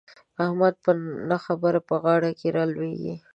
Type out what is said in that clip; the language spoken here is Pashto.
احمد په نه خبره په غاړه کې را لوېږي.